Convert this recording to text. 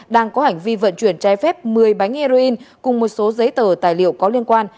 đang có hành vi vận chuyển trái phép một mươi bánh heroin cùng một số giấy tờ tài liệu có liên quan